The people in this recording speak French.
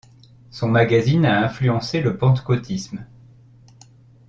Son magazine a influencé le pentecôtisme.